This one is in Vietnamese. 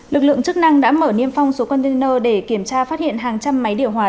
lực lượng chức năng đã mở niêm phong số container để kiểm tra phát hiện hàng trăm máy điều hòa